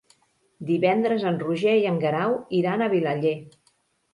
Divendres en Roger i en Guerau iran a Vilaller.